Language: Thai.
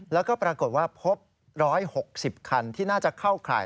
แล้วก็ปรากฏว่าพบ๑๖๐คันที่น่าจะเข้าข่าย